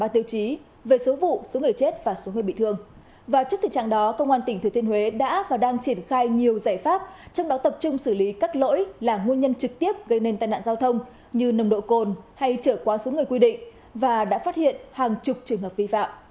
trong đó tập trung xử lý các lỗi là nguồn nhân trực tiếp gây nên tai nạn giao thông như nồng độ cồn hay trở quá xuống người quy định và đã phát hiện hàng chục trường hợp vi phạm